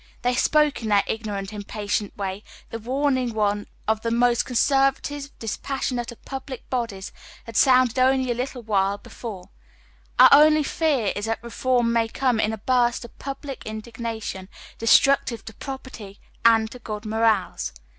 They spoke in their ignorant, impatient way the warning one of the most conservative, dispassionate of pahlio bodies had sounded only a little while before :" Our only fear is that reform may come in a burst of public indig oy Google 264 HOW THE OTHER HALF LIVES. nation destructive to property and to good morals."